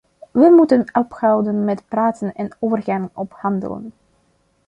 We moeten ophouden met praten en overgaan op handelen.